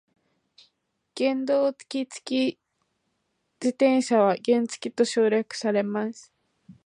原動機付き自転車は原付と省略されます。